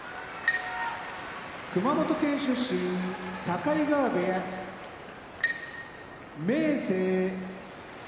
熊本県出身境川部屋明生